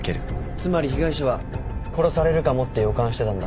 つまり被害者は殺されるかもって予感してたんだ。